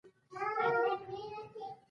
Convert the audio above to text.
امریکا د نړۍ لومړنی هېواد و.